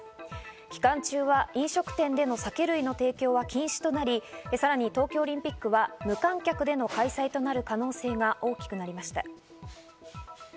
期間中は飲食店での酒類の提供は禁止となり、さらに東京オリンピックは無観客での開催となる可能性が大きくなりました。